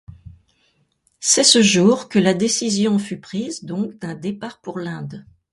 C’est ce jour que la décision fut prise donc d’un départ pour l’Inde.